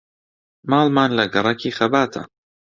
ماڵمان لە گەڕەکی خەباتە.